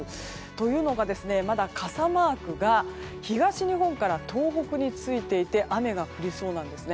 というのが、まだ傘マークが東日本から東北についていて雨が降りそうなんです。